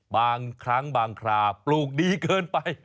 บางครั้งบางคราปลูกดีเกินไป